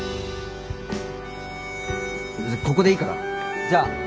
ここでいいからじゃあ。